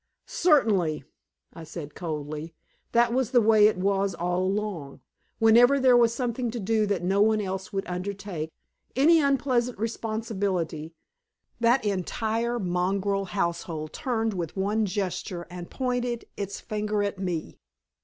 "Certainly," I said coldly. That was the way it was all along. Whenever there was something to do that no one else would undertake any unpleasant responsibility that entire mongrel household turned with one gesture and pointed its finger at me!